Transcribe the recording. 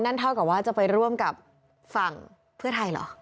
เท่ากับว่าจะไปร่วมกับฝั่งเพื่อไทยเหรอ